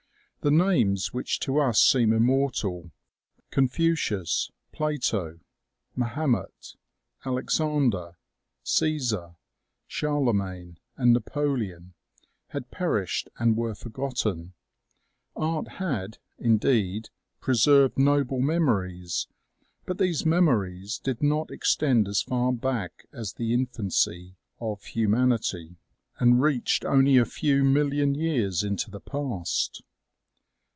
The names which to us seem immortal, Confucius, Plato, Mahomet, Alexander, Caesar, Charlemagne, and Napoleon, had perished and were forgotten. Art had, indeed, pre served noble memories ; but these memories did not extend as far back as the infancy of humanity, and reached only a few million years into the past.